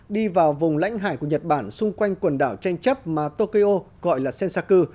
đi vào vùng lãnh hải của nhật bản xung quanh quần đảo tranh chấp mà tokyo gọi là sensaku